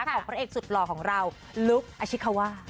ของพระเอกสุดหล่อของเราลุคอาชิคว่า